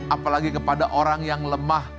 apalagi kepada orang yang lemah